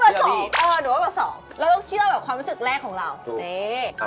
เบอร์๒เราต้องเชื่อความรู้สึกแรกของเรา